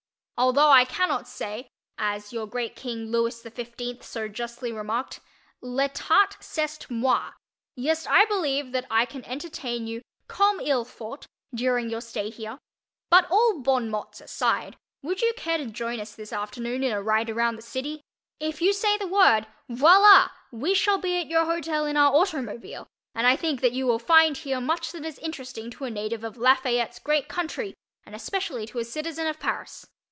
Although I cannot say, as your great king Louis XV. so justly remarked, "L'etat, c'est moi," yet I believe that I can entertain you comme il faut during your stay here. But all bon mots aside, would you care to join us this afternoon in a ride around the city? If you say the word, voila! we shall be at your hotel in our automobile and I think that you will find here much that is interesting to a native of Lafayette's great country and especially to a citizen of Paris.